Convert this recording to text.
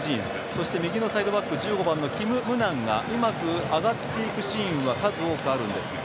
そして、右のサイドバック１５番のキム・ムナンがうまく上がっていくシーンは数多くあるんですが。